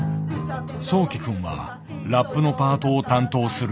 そうき君はラップのパートを担当する。